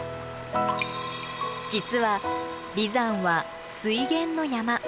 実は眉山は水源の山。